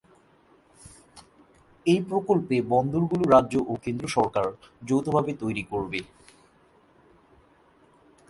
এই প্রকল্পে বন্দর গুলি রাজ্য ও কেন্দ্র সরকার যৌথ ভাবে তৈরি করবে।